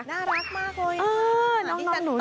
น่ารักมากเลยค่ะอื้อน้องหนูนะ